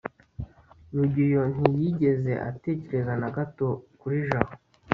rugeyo ntiyigeze atekereza na gato kuri jabo